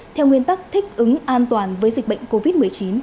theo nguyên tắc thích ứng an toàn với dịch bệnh covid một mươi chín